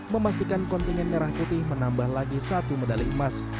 memastikan kontingen merah putih menambah lagi satu medali emas